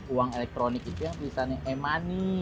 uang elektronik itu yang tulisan e money